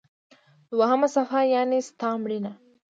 دوهمه صفحه: یعنی ستا مړینه.